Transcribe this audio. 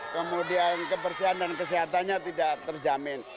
kemudian kebersihan dan kesehatannya tidak terjamin